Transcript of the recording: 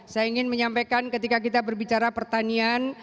saya ingin menyampaikan ketika kita berbicara pertanian